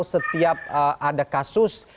setiap ada kasus